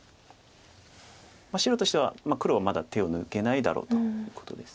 白としては黒はまだ手を抜けないだろうということです。